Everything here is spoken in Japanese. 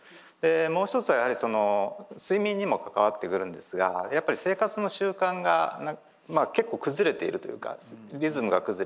もう一つはやはりその睡眠にも関わってくるんですがやっぱり生活の習慣が結構崩れているというかリズムが崩れている。